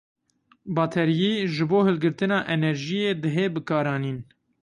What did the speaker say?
bateryî ji bo hilgirtina enerjîyê dihê bikaranîn.